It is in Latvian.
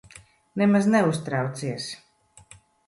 Nemaz neuztraucies.